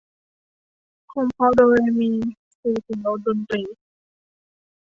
คงเพราะโดเรมี สื่อถึงโน๊ตดนตรี